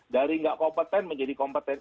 dari nggak kompeten menjadi kompeten